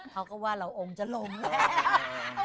เขาก็ว่าเราองค์จะลงแล้ว